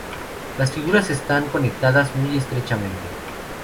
Las figuras están conectadas muy estrechamente.